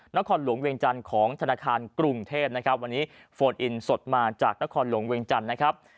นครหลวงเวียงจันทร์ของธนาคารกรุงเทพนะครับวันนี้โฟนอินสดมาจากนครหลวงเวียงจันทร์นะครับ